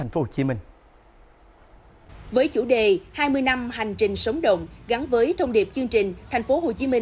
với mục tiêu là khởi công vào năm hai nghìn hai mươi